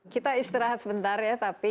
kita istirahat sebentar ya tapi